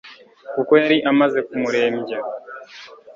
kuko yari amaze kumurembya